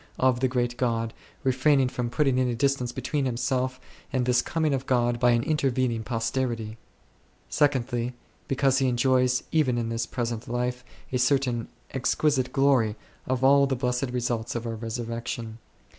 of the great God, refraining from putting any distance between himself and this coming of God by an intervening posterity : secondly, because he enjoys even in this present life a certain exquisite glory of all the blessed results of our resurrection.